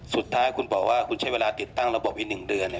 สุดท้ายคุณบอกว่าคุณใช้เวลาติดตั้งระบบไว้๑เดือน